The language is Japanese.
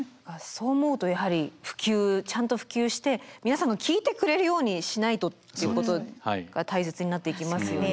そう思うとやはりちゃんと普及して皆さんが聞いてくれるようにしないとっていうことが大切になっていきますよね。